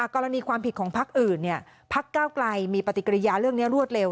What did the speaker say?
กรณีความผิดของพักอื่นพักเก้าไกลมีปฏิกิริยาเรื่องนี้รวดเร็